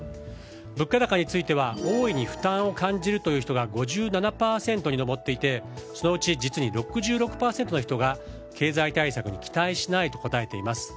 物価高については大いに負担を感じる人が５７％に上っていてそのうち、実に６６％の人が経済対策に期待しないと答えています。